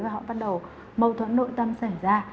với họ bắt đầu mâu thuẫn nội tâm xảy ra